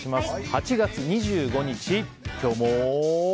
８月２５日、今日も。